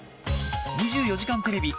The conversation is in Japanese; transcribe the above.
『２４時間テレビ』